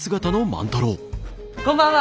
こんばんは！